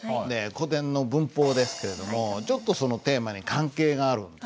古典の文法ですけれどもちょっとそのテーマに関係があるんです。